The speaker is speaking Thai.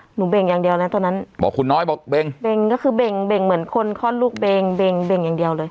เบ่งอย่างเดียวนะตอนนั้นบอกคุณน้อยบอกเบงก็คือเบ่งเบ่งเหมือนคนคลอดลูกเบงเบ่งอย่างเดียวเลย